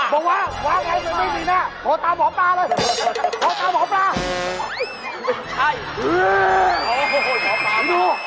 บอกวะวะไว้จะไม่มีหน้า